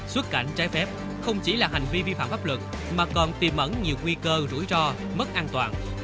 xuất cảnh trái phép không chỉ là hành vi vi phạm pháp luật mà còn tiềm ẩn nhiều nguy cơ rủi ro mất an toàn